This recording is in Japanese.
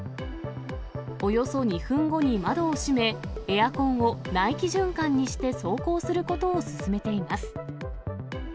およそ２分後に窓を閉め、エアコンを内気循環にして走行することを勧めています。